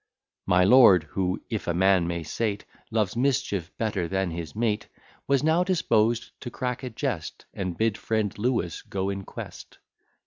My lord, (who, if a man may say't, Loves mischief better than his meat), Was now disposed to crack a jest And bid friend Lewis go in quest.